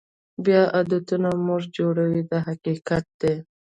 بیا عادتونه موږ جوړوي دا حقیقت دی.